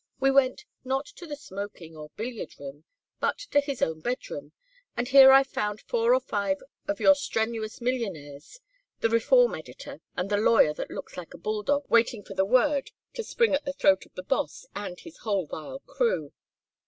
We went, not to the smoking or billiard room, but to his own bedroom, and here I found four or five more of your strenuous millionaires, the reform editor, and the lawyer that looks like a bull dog waiting for the word to spring at the throat of the Boss and his whole vile crew.